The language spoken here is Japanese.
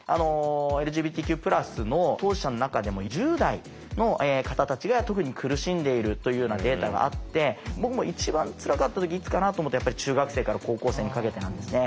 ＬＧＢＴＱ＋の当事者の中でも１０代の方たちが特に苦しんでいるというようなデータがあって僕も一番つらかった時いつかなと思ったらやっぱり中学生から高校生にかけてなんですね。